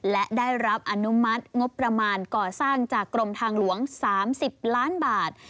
และได้รับอนุมัติงบประมาณก่อสร้างจากกรมทางหลวง๓๐ล้านบาท